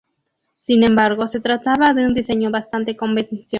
Sin embargo se trataba de un diseño bastante convencional.